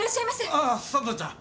ああ佐都ちゃん